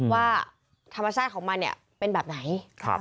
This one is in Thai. ว่าธรรมชาติของมันเป็นแบบไหน